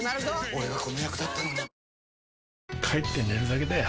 俺がこの役だったのに帰って寝るだけだよ